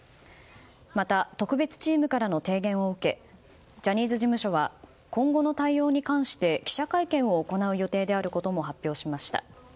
また、特別チームからの提言を受けジャニーズ事務所は今後の対応に関して記者会見を行う予定であることも発表しました。